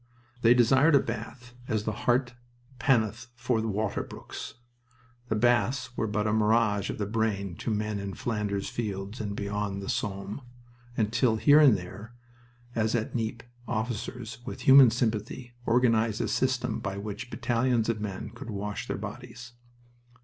They desired a bath as the hart panteth for the water brooks, and baths were but a mirage of the brain to men in Flanders fields and beyond the Somme, until here and there, as at Nieppe, officers with human sympathy organized a system by which battalions of men could wash their bodies.